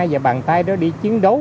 và bàn tay đó để chiến đấu